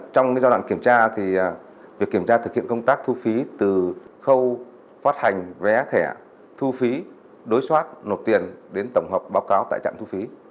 trong giai đoạn kiểm tra thì việc kiểm tra thực hiện công tác thu phí từ khâu phát hành vé thẻ thu phí đối soát nộp tiền đến tổng hợp báo cáo tại trạm thu phí